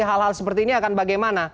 hal hal seperti ini akan bagaimana